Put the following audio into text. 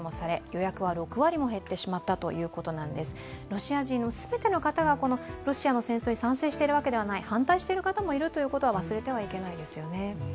ロシア人全ての方がロシアの戦争に賛成しているわけではない反対している方もいるということは忘れてはいけないですよね。